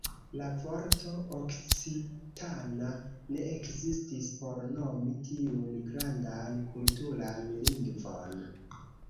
La vorto "okcitana" ne ekzistis por nomi tiun grandan kulturan lingvon.